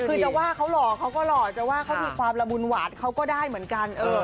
คือจะว่าเขาหล่อเขาก็หล่อจะว่าเขามีความละมุนหวาดเขาก็ได้เหมือนกัน